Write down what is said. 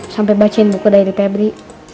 sambil baca buku dairi kadri